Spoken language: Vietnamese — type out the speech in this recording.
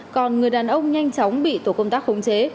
còn người đàn ông nhanh chóng bị tổ công tác khống chế